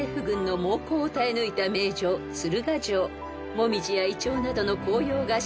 ［モミジやイチョウなどの紅葉が城を彩ります］